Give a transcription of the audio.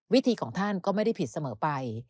วิธีของท่านก็ไม่ได้ผิดเสมอไป